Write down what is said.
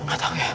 nggak tahu ya